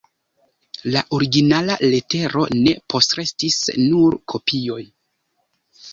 La originala letero ne postrestis, nur kopioj.